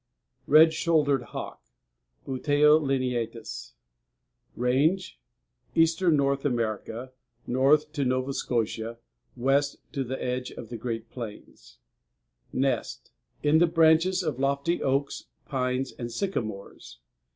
Page 98. =RED SHOULDERED HAWK.= Buteo lineatus. RANGE Eastern North America, north to Nova Scotia, west to the edge of the Great Plains. NEST In the branches of lofty oaks, pines, and sycamores.